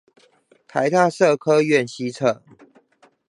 臺大社科院西側